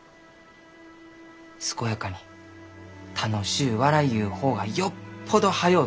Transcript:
健やかに楽しゅう笑いゆう方がよっぽど速う